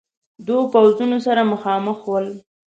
دو پوځونه سره مخامخ ول.